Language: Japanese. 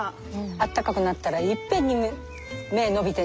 あったかくなったらいっぺんに芽伸びてね。